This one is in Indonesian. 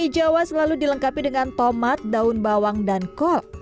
mie jawa selalu dilengkapi dengan tomat daun bawang dan kol